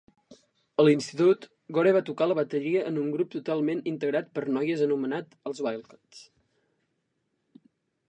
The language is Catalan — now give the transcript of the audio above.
A l'institut, Gore va tocar la bateria en un grup totalment integrat per noies anomenat els Wildcats.